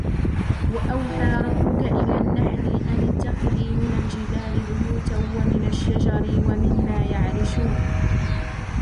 وأوحى ربك إلى النحل أن اتخذي من الجبال بيوتا ومن الشجر ومما يعرشون